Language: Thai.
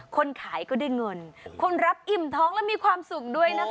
คนขายก็ได้เงินคนรับอิ่มท้องและมีความสุขด้วยนะคะ